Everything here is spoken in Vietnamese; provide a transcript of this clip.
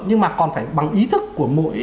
nhưng mà còn phải bằng ý thức của mỗi